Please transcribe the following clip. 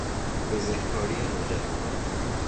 بزهکاری نوجوانان